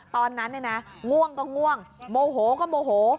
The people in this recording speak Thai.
ตอนนั้นเนี่ยนะง่วงก็ง่วงโมโหก็โมโห